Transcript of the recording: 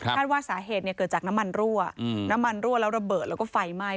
ว่าสาเหตุเกิดจากน้ำมันรั่วน้ำมันรั่วแล้วระเบิดแล้วก็ไฟไหม้